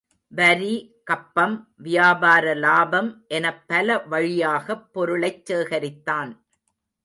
வரி, கப்பம், வியாபார லாபம் எனப் பலவழியாகப் பொருளைச்சேகரித்தான்.